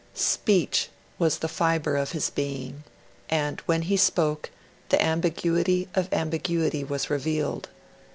Speech was the fibre of his being; and, when he spoke, the ambiguity of ambiguity was revealed.